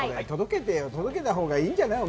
届けたほうがいいんじゃない？